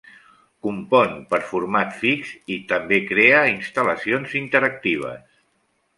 Compon per format fix i també crea instal·lacions interactives.